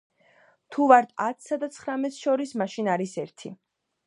თუ ვართ ათსა და ცხრამეტს შორის, მაშინ არის ერთი.